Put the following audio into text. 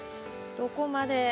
どこまで。